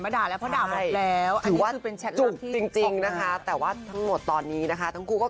ไม่รู้จะสั่นหาคำไหนมาด่า